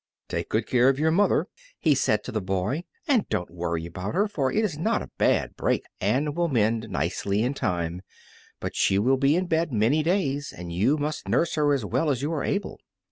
"Take good care of your mother," he said to the boy, "and don't worry about her, for it is not a bad break and the leg will mend nicely in time; but she will be in bed many days, and you must nurse her as well as you are able."